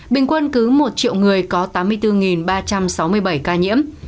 bình quân cứ một triệu người có tám mươi bốn ba trăm sáu mươi bảy ca nhiễm